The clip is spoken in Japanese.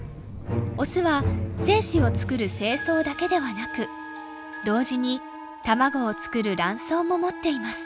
オスは精子を作る精巣だけではなく同時に卵を作る卵巣も持っています。